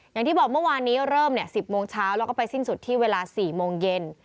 อย่างที่บอกเมื่อวานนี้เริ่ม๑๐โมงเช้าแล้วก็ไปสิ้นสุดที่เวลา๔โมงเย็น